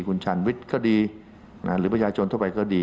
คุณชันวิทย์ก็ดีหรือประชาชนทั่วไปก็ดี